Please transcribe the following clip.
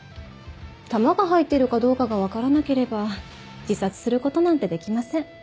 弾が入ってるかどうかが分からなければ自殺することなんてできません。